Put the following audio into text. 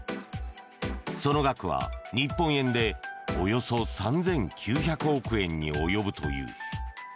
その額は日本円でおよそ３９００億円に及ぶという。